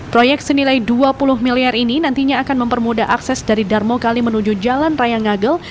proyek senilai dua puluh miliar ini nantinya akan mempermudah akses dari darmo kali menuju jalan raya ngagel